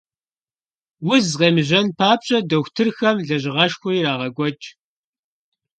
Уз къемыжьэн папщӀэ, дохутырхэм лэжьыгъэшхуэ ирагъэкӀуэкӀ.